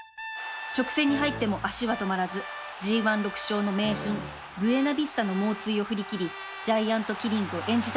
直線に入っても脚は止まらず ＧⅠ６ 勝の名牝ブエナビスタの猛追を振り切りジャイアントキリングを演じたのよね